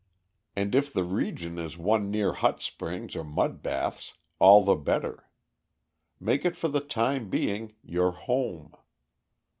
And if the region is one near hot springs or mud baths, all the better. Make it for the time being your home.